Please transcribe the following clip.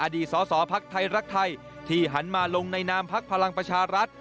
อดีตสภักดิ์ไทยรักไทยที่หันมาลงในนามภักดิ์พลังประชารัฐ